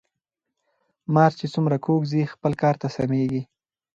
مار چی څومره کوږ ځي خپل کار ته سمیږي .